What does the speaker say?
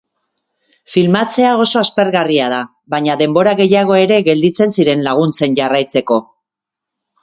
Filmatzea oso aspergarria da, baina denbora gehiago ere gelditzen ziren laguntzen jarraitzeko.